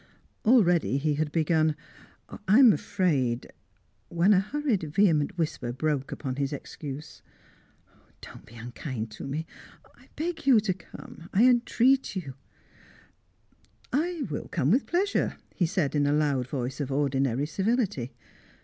Already he had begun "I am afraid" when a hurried, vehement whisper broke upon his excuse. "Don't be unkind to me! I beg you to come! I entreat you!" "I will come with pleasure," he said in a loud voice of ordinary civility.